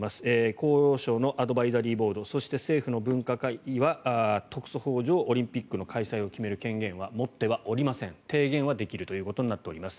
厚労省のアドバイザリーボードそして、政府の分科会は特措法上、オリンピックの開催を決める権限は持ってはおりません。提言はできるということになっております。